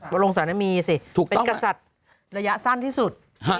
วรวงศาสตร์นั้นมีสิเป็นกษัตริย์ระยะสั้นที่สุด